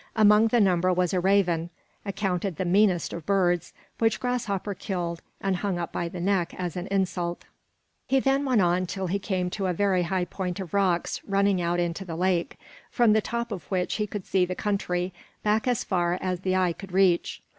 Among the number was a raven, accounted the meanest of birds, which Grasshopper killed and hung up by the neck, as an insult. He then went on till he came to a very high point of rocks running ont into the lake, from the top of which he could see the country, back as far as the eye could reach.